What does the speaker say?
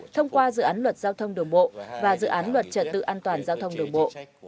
thông qua dự án luật giao thông đường bộ và dự án luật trật tự an toàn giao thông đường bộ